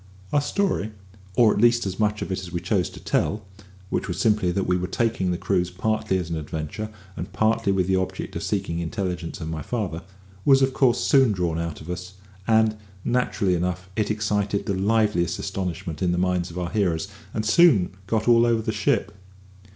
Our story, or at least as much of it as we chose to tell (which was simply that we were taking the cruise partly as an adventure, and partly with the object of seeking intelligence of my father), was of course soon drawn out of us; and, naturally enough, it excited the liveliest astonishment in the minds of our hearers, and soon got all over the ship.